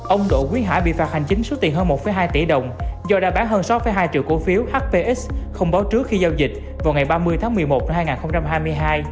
ông đỗ quý hải bị phạt hành chính số tiền hơn một hai tỷ đồng do đã bán hơn sáu hai triệu cổ phiếu hpx không báo trước khi giao dịch vào ngày ba mươi tháng một mươi một năm hai nghìn hai mươi hai